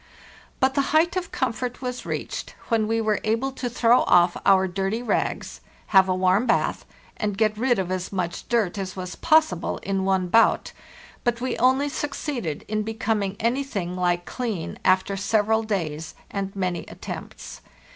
But the height of comfort was reached when we were able to throw off our dirty rags, have a warm bath, and get rid of as much dirt as was possible in one bout; but we only succeeded in becoming anything like clean af ter several days and many attempts.